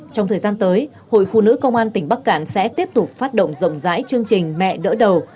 trong thời gian tới hội phụ nữ công an tỉnh bắc cạn sẽ tiếp tục phát động rộng rãi chương trình mẹ đỡ đầu